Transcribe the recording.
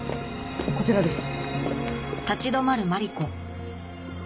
こちらです。